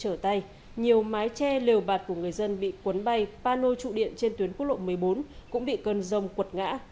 trong nội ô thành phố đồng xoài nhiều mái tre liều bạt của người dân bị cuốn bay pano trụ điện trên tuyến quốc lộ một mươi bốn cũng bị cơn dông quật ngã